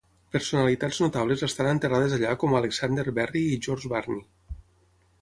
Personalitats notables estan enterrades allà com Alexander Berry i George Barney.